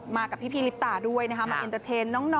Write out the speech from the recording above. มากับพี่พีริปตาด้วยนะครับมาเอ็นเตอร์เทนต์น้อง